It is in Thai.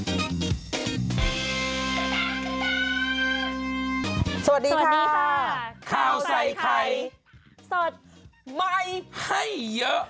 สวัสดีค่ะสวัสดีค่ะข้าวใส่ไข่สดใหม่ให้เยอะ